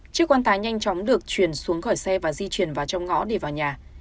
chiếc quan tài nhanh chóng được chuyển xuống khỏi xe và di chuyển vào trong ngõ để vào nhà